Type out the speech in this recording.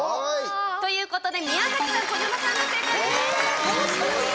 ということで宮崎さん児嶋さんが正解です！